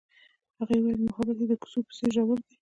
هغې وویل محبت یې د کوڅه په څېر ژور دی.